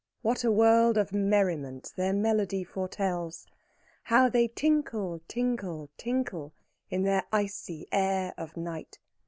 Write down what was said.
What a world of merriment their melody foretells! How they tinkle, tinkle, tinkle, In their icy air of night!